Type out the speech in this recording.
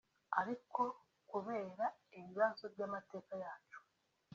aliko kubera ibibazo by’amateka yacu